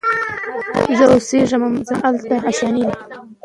زه اوسېږمه زما هلته آشیانې دي